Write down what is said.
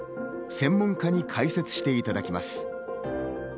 専門家に解説していただきます。